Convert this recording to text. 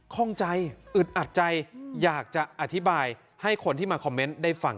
ข้องใจอึดอัดใจอยากจะอธิบายให้คนที่มาคอมเมนต์ได้ฟัง